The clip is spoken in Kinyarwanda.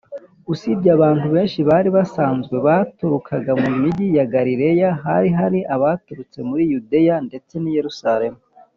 usibye abantu benshi bari basanzwe baturukaga mu migi ya galileya, hari hari abaturutse muri yudeya, ndetse n’i yerusalemu